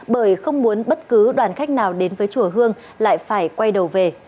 bởi không muốn bất cứ đoàn khách nào đến với chùa hương lại phải quay đầu về